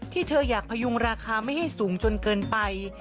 เธออยากพยุงราคาไม่ให้สูงจนเกินไป